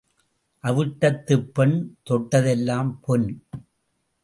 அவிட்டத்துப் பெண் தொட்டதெல்லாம் பொன்.